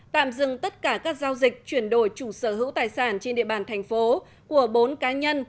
tạm dừng tất cả các giao dịch chuyển đổi chủ sở hữu tài sản trên địa bàn thành phố của bốn cá nhân